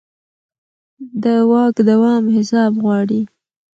د واک دوام حساب غواړي